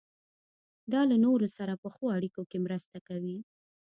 دا له نورو سره په ښو اړیکو کې مرسته کوي.